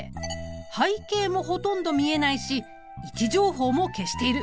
背景もほとんど見えないし位置情報も消している。